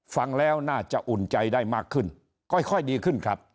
ฟังแล้วน่าจะอุ่นใจได้มากขึ้นค่อยดีขึ้นครับ